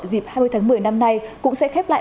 dịp hai mươi tháng một mươi năm nay cũng sẽ khép lại